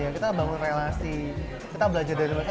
kita bangun relasi kita belajar dari mereka